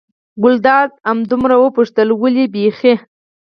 ګلداد همدومره وپوښتل: ولې بېخي.